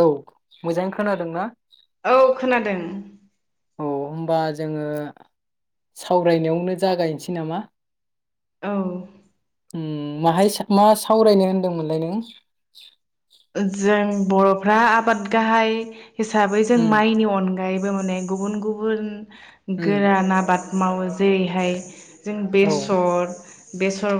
औ मोजाङै खोनादोंना। औ खोनादों। औ होमबा जोङो सावरायनायावनो जागायनोसै नामा। औ। उम माहाय मा सावरायनो होनदोंमोनलाय नों। जों। बर'फ्रा आबाद गाहाय। हिसाबै जों उम माइनि अनग। गायबो माने गुबुन गुबुन। उम गोरान आबाद। मावो जेरैहाय। जों औ बेसर। बेसर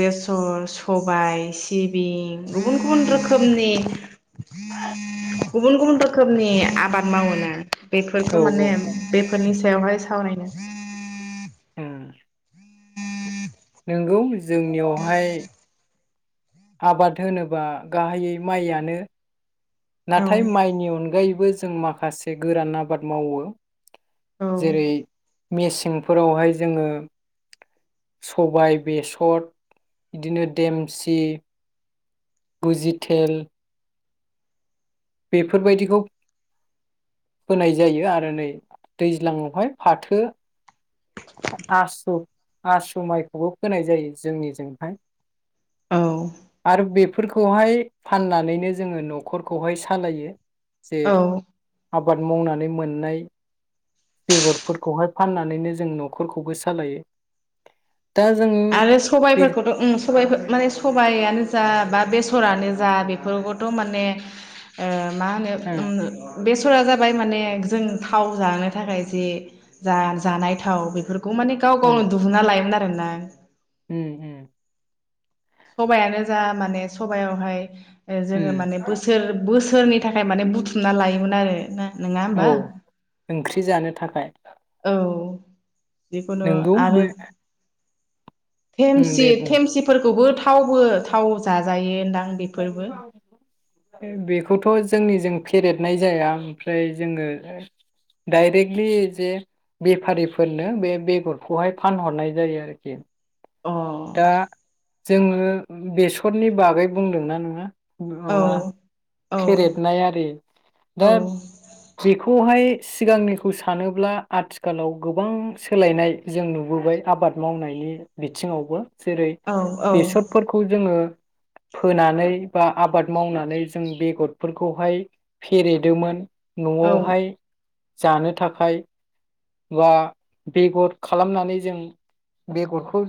बेसर सबाय सिबिं। गुबुन गुबन रोख। उम [unintelligible] गुबुन गुबुन रखोमनि आबाद मावोना। औ बेफोरखौ औ माने बे। फोरनि सायावहाय सावरायनो। ओम। नोंगौ जोंनियावहाय। आबाद होनोबा गाहायै माइआनो। नाथाय औ माइनि अनगायैबो। बो जों माखासे गोरान आबाद मावो औ जेरै मेसेंफोरावहाय जोङो सबाय बेसर बिदिनो देमसि बुजिथेल। बेफोरबायदिखौ होनाय जायो आरो नै दैज्लाङावहाय फाथो। आसु आसु माइखौबो फोनाय जायो जोंनिजोंहाय। औ आरो बे। फोरखौहाय फाननानैनो जोङो न'खरखौहाय सालायो। जे औ आब आबाद मावनानै मोननाय बेगरफोरखौहाय फाननानैनो जों न' खरखौबो सालायो। दा जोङो आरो बे सबायाइफोरखौथ' उम सबाय। माने सबायानो जा बा बे सरानो जा बेफोरखौथ' माने ओ मा होनो उम ओम बेस'रा जाबाय माने जों थाव जानो थाखाय जे जा जानाय थाव बेफोर खौ माने गाव उम गावनो दुहुनना लायोमोन आरो मोनाय। उम उम सबायानो जा माने सबायावहाय जोङो माने उम बोसोर बोसोर सोरनि थाखाय माने बुथुमना लायोमोन आरो ना। नङा औ होमबा ओंख्रि जानो थाखाय औ जिखुनु नोंगौ आरो बे उम थेमसि दे बुं थेमसिफोर खौबो थावबो थाव जाजायोन दां। [unintelligible] बेखौथ' जोंनिजों फेरेदनाय जाया ओमफ्राय जोङो डायरेक्टलि जे बेफारिफोरनो बे बेगरखौहाय फानहरनाय जायो आरोखि अ दा जोङो बेसरनि बागै बुंदोंना नोङा। औ माबा फेरेदनाय आरि औ दा बेखौहाय सिगांनिखौ सानोब्ला आथिखालाव गोबां सोलायनाय जों नुबोबाय आबाद मावनायनि बिथिङाव बो। जेरै औ औ बेसरफोरखौ जोङो फोनानै बा आबाद मावनानै जों बेगरफोरखौहाय फेरेदोमोन। औ न'आवहाय जानो थाखाय। बा बेगर खालामनानै जों बेगरखौ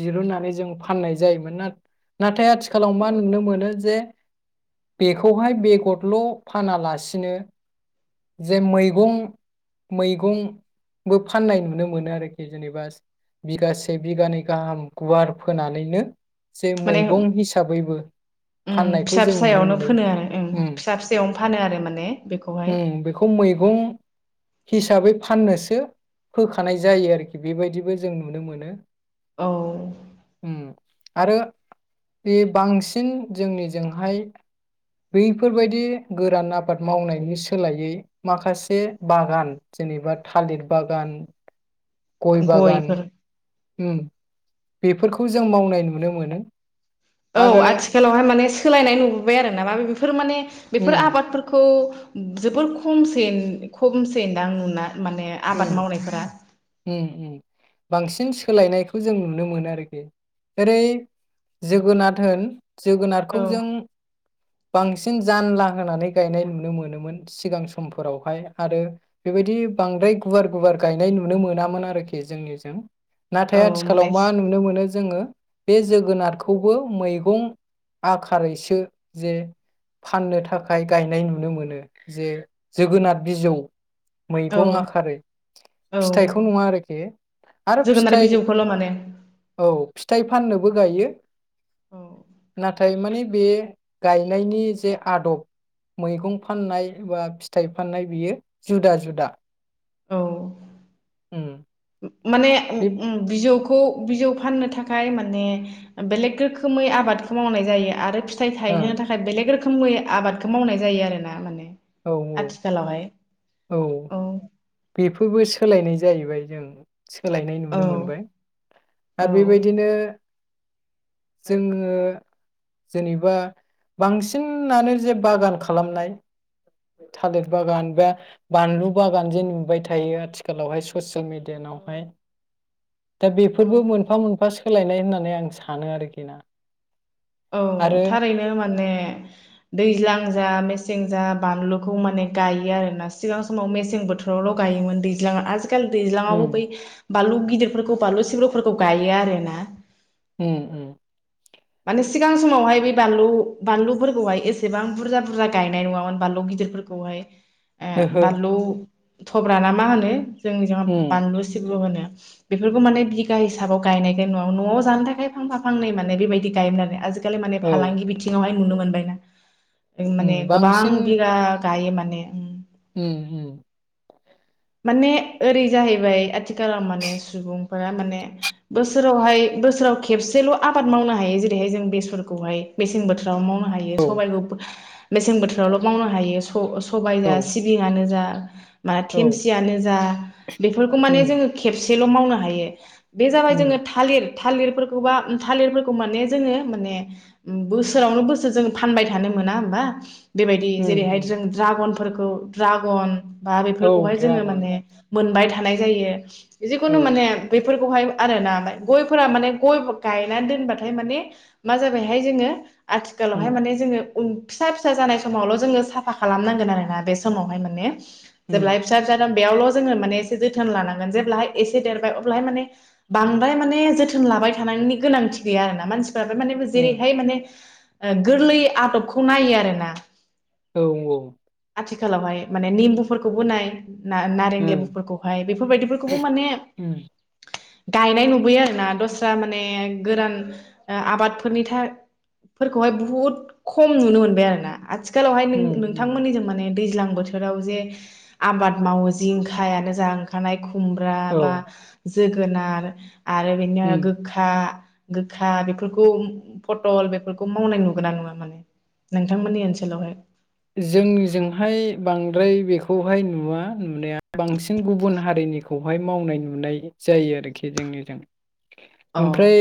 दिरुननानै जों फाननाय जायोमोन ना नाथाय आथिखालाव मा नुनो मोनो जे बेखौहाय बेगरल' फानालासिनो जे मैगं मैगं बो फाननाय नुनो मोनो आरोखि जेनेबा बिगासे बिगानै गाहाम गुवार फोनानैनो। जे माने मैगं हिसाबैबो उम फाननायखौ फिसा जों नुनो फिसायावनो मोनो। फोनो आरो ओं उम फिसा फिसायावनो फानो आरो माने बेखौहाय उम बेखौ मैगं हिसाबै फाननोसो सो होखानाय जायो आरोखि बेबायदिबो जों नुनो मोनो। औ उम आरो बे बांसिन जोंनिजोंहाय बैफोरबायदि गोरान आबाद मावनायनि सोलायै माखासे बागान जेनेबा थालिर बागान गय बागान गयफोर उम बेफोरखौ जों मावनाय नुनो मोनो औ आरो आथिखालावहाय माने सोलायनाय नुबोबाय आरो ना [inaudible] बेफोर माने बेफोर उम आबादफोरखौ। खौ जोबोर खम खमसै नुना। माने उम आबाद मावनायफोरा। उम उम बांसिन सोलायनायखौ जों नुनो मोनो आरोखि ओरै जोगोनाद होन औ जोगोनारखौ जों बांसिन जानला होनानै गायनाय नुनो मोनोमोन सिगां समफोरावहाय आरो बेबायदि बांद्रायखौ गुवार-गुवार गायनाय नुनो मोनामोन आरोखि जोंनिजों। नाथाय औ आथिखालाव माने मा नुनो मोनो जोङो। बे जोगोनारखौबो मैगं आखारैसो जे फाननो थाखाय गायनाय नुनो मोनो जे जोगोनार बिजौ औ मैगं आखारै। औ फिथाइखौ नङा आरोखि आरो जोगोनार फिथाइ बिजौखौल' माने औ फिथाइ फाननो बो गायो औ नाथाय ओमफ्राय माने बे गायनायनि जे आदब मैगं फाननाय बा फिथाइ फाननाय बेयो जुदा जुदा। औ उ [inaudible] माने खौ बिजौ फाननो थाखाय माने बेलेग रोखोमै आबादखौ मावनाय जायो आरो फिथाइ थायनो ओ थाखाइ बेलेग रो रोखोमै आबादखौ मावनाय जायो आर ना माने आथिखालावहाय औ-औ-औ औ बेफोरबो सोलायनाय। जाहैबाय जों। सोलायनाय औ नुनो मोनबाय औ आरो बेबायदिनो। जोङो जेनेबा बांनेबा बांसिन बागान खालामनाय। थालिर बागान बा बानलु बागान जे नुबाय थायो आथिखालावहाय ससियेल मिेडियानावहाय। दा औ बेफोरबो मोनफा-मोनफा सो सोलायनाय होननानै आं सानो आरोखि ना। औ आरो थारैनो माने दैज्लां जा मेसें सेंजा बानलुखौ माने गायो आरो ना सिगां समाव मेसें बोथोरावल गायोमोन दैज्लां आजि खेल दैज्लांयाव उम बै बानलु गिदिरफोरखौ बानलु सिब्रुफोरखौ गायो आरोना। उम उम। माने सिगां समावहाय बे बानलु बानलुफोरखौहाय एसेबां बुरजा बुरजा गायनाय नुवामोन बानलु गिदिरफोरखौहाय। ओ ओहो बानलु थब्राना मा होनो? जोंनिजों उम बानलु सिब्र' होनो। बेफोरखौ माने बिगा हिसाबाव गायनायखाय न'आव न'आव जानो थाखाय फांफा फांनै माने बेबायदि गायोमोन आरो आजि खालि माने औ फालांगि बिथिङावहाय नुनो मोन गायना। ओं माने उम बांसिन गोबां बिगा गायो माने उम। उम उम। माने ओरै जाहैबाय आथिखालाव माने सुबुंफोरा माने बोसोरावहाय बोसोराव खेबसेल' आबाद मावनो हायो जेरैहाय जों बेसरखौहाय मेसें बोथोराव माव नो हायो औ सबायखौ बो मेसें बोथोरावल' मावनो हायो स-स सबाय औ जा सिबिङानो जा ओ मा औ देमसियानो जा बेफोरखौ माने उम जोंङो खेबसे सेल' मावनो हायो। बे जाबाय जोङो उम थालिर थालिरफोरखौबा उम थालिरफोरखौ माने जोङो माने उम बोसोरावनो बोसोर जों फानबाय थानो मोना होमबा। बेबायदि उम जेरैहाय उम जों द्रागन फोरखौ ड्रागन बा औ बावहाय जोङो ड्रागन माने मोनबाय थानाय जायो। औ जिखुनु माने बै फोरखौहाय आरोना गयफोरा माने गय गायनानै दोनबाथाय माने मा जाबायहाय जोङो उम आथिखालावहाय माने जोङो उन फिसा फिसा जानाय समावल' जोङो साफा खालामनांगोन आरोना बे समावहाय माने उम जेब्लाय फिसा फिसा बेयावल' जोङो एसे जोथोन लानांगोन जेब्लाहाय एसे देरबाय अब्लाहाय माने बांद्राय माने जोथोन लाबाय थानायनि गोनांथि गैया आरो ना मानसि फोरा बो माने ओ जेरैहाय माने ओ गोरलै आदबखौ नायो आरो ना औ औ आथिखालावहाय माने निमबु फोरखौबो नाय ना नारें औ उम लेबुफोरखौहाय बेफोरबायदिफोरखौबो माने उम गायनाय नुबोयो आरोना दस्रा माने गोरान ओ आबादफोरनि थार फोरखौहाय बहुद खम नुनो मोनबाय आरो ना आथिखालावहाय नों उम उम नोंथांमोननि जों माने दैज्लां बोथोराव जे आबाद मावो जिंखायानो जा ओंखारनाय खुम्ब्रा औ बा जोगोनार आरो बिदिनो उम गोखा गोखा बेफोरखौ फटल बेफोरखौ मावनाय नुगोना नुङा माने नोंथांमोननि ओनसोलावहाय? जोंनिजोंहाय बांद्राय बेखौहाय नुवा नुनाया बांसिन गुबुन हारिनिखौहाय मावनाय नुनाय जायो आरोखि जोंनिजों अ ओमफ्राय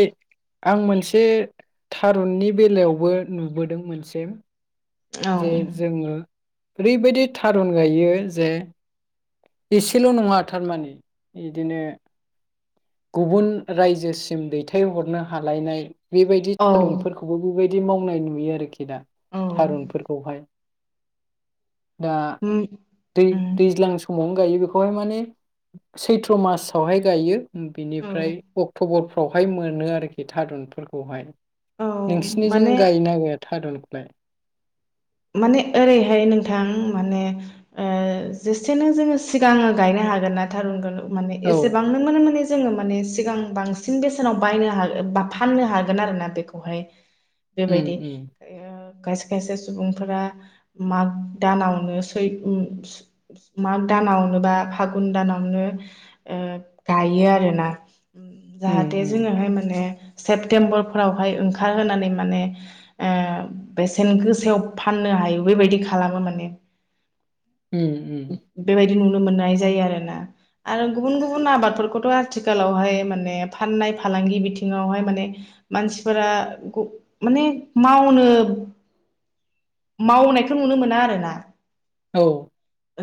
आं मोनसे बे थारुननि बेलायावबो नुबोदों मोनसे औ जे जोङो ओरैबायदि थारुन गायो जे एसेल नङा थारमाने बिदिनो गुबुन रायजोसिम दैथायहरनो हालायनाय बेबायदि औ थारुनफोरखौबो बेबायदि मावनाय नुयो आरोखि दा औ थारुनफोरखौहाय दा उम दै उम दैज्लां सम मैगं गायो बेखौहाय माने सैथ्र मासावहाय गायो औ बिनिफ्राय अक्टबर बावहाय मोनो आरोखि थारुनफोरखौहाय औ नोंसिनिजों माने गायो ना गाया थारुनखौ? बे माने ओरैहाय नोंथां माने ओ जेसेनो जोङो सिगाङो गायनो हागोन ना थारुनखौ माने औ एसेबां नों माने माने जोङो माने सिगां बांसिन बेसेनाव बायनो हागो बा फाननो हागोन आरोना बेखौहाय उम बेबायदि उम खायसे खायसे सुबुंफोरा माग दानावनो सै माग दानावनो बा फागुन दानावनो ओ गायो आरोना उम जाहाथे उम जोङोहाय माने सेप्तेम्बर फोरावहाय ओंखारहोनानै माने ओ बेसेन गोसा फाननो हायो बेबायदि खालामो माने उम-उम बेबायदि नुनो मोननाय जायो आरोना आरो गुबुन गुबुन आबादफोरखौथ आथिखालावहाय माने फाननाय फालांगि बिथिंङावहाय माने मानसिफोरा माने मावनो मावनायखौ नुनो मोना आरोना औ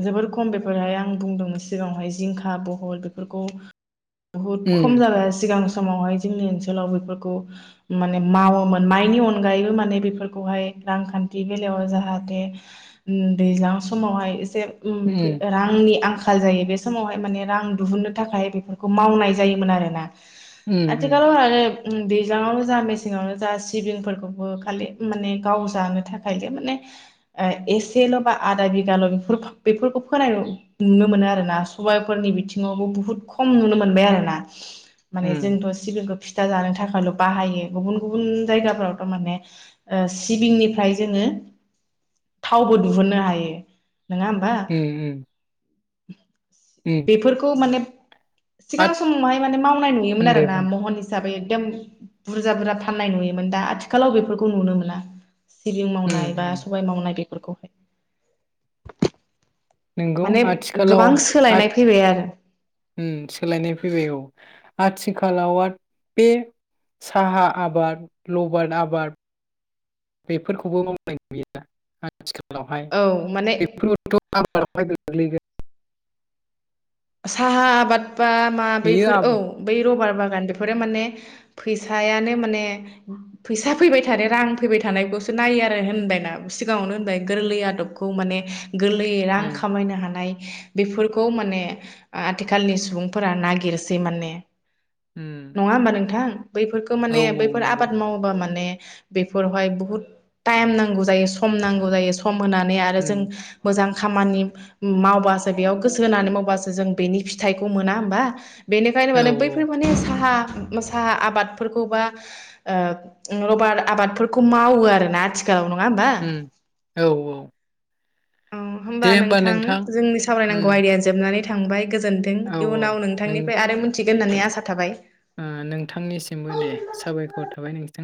जोबोर खम बेफोरहाय आं बुंदोंमोन सिगाङावहाय जिंखा, बहल बेफोरखौ बुहुत खम उम जाबाय सिगां समावहाय जोंनि ओनसोलाव बेफोरखौ माने मावोमोन माइनि अनगायैबो माने बेफोरखौहाय रांखान्थि बेलायाव जाहाथे दैज्लां समावहाय जे ओम फै उम रांनि आंख आंखाल जायो बे समावहाय माने रां दिहुननो थाखाय बेफोरखौ मावनाय जायोमोन आरोना उम आथिखालाव आरो दैज्लाङावनो जा मेसेङावनो जा सिबिंफोरखौबो खाले माने गाव जानो थाखाय जे माने एसेल' बा आदा बिगाल' बेफोर बेफोरखौ फोनाय नुनो मोनो आरो ना सबायफोरनि बिथिङावबो बुहुत खम नुनो मोनबाय आरोना माने उम जोंथ सिबिंखो फिथा जानो थाखायल' बाहायो गुबुन गुबुन जायगाफ्राव थ माने ओ सिबिंनिफ्राय जोंङो थावबो दिहुननो हायो नंङा होमबा उम [unintelligible] उम बेफोरखौ माने सिगां आथ समावहाय माने मावनाय नुयोमोन उम दे आरो बुं ना महन हिसाबै एकदम बुरजा बुरजा फाननाय नुयोमोन दा आथिखालाव बेफोरखौ नुनो मोना सिबिं उम मावनाय बा उम सबाय मावनाय बे [unintelligible] नोंगौ आथिखालाव आथ फैबाय आरो उम सोलायनाय फैबाय औ आथिखालावाद बे साहा आबाद लबार आबाद बेफोरखौबो मावनाय गैया आथिखालावहाय औ माने बेफोरबोथ आब बादाव गोग्लैगोन साहा आबाद बा मा बियो बैफोर औ आबुं बै रबार बागान बेफोरो माने फैसायानो माने फैसा फैबाय थानाय रां फैबाय थानायखौसो नायो आरो होनबायना सिगाङावनो होनबाय गोरलै आदबखौ माने गोरलैयै रां उम खामायनो हानाय बेफोरखौ माने आथिखालनि सुबुंफोरा नागिरसै माने उम नंङा होमबा नोंथां बैफोरखौ औ माने औ बैफोर नंगौ आबाद मावोबा माने बेफोरावहाय बुहुत ताइम नांगौ जायो सम नांगौ जायो स सम होनानै आरो उम जों मोजां खामानि मावबासो बेयाव गोसो होनानै मावबासो जों बेनि फिथाइखौ मोना होमबा बेनिखायनो औ माने औ बैफोर माने साहा मोसा आबादफोरखौ बा ओ रबार आबादफोरखौ मावो आरोना आथि उम औ औ ओम होमबा नोंथां जोंनि सावरायनांगौ उम आइदाया जोबनानै था थांबाय गोजोन्थों औ औ इयुनाव नों नोंथांनिफ्राय आरो मोनथि थिगोन होननानै आसा थाबाय ओ नोंथांनिसिमबो दे साबायखर थाबाय नोंथां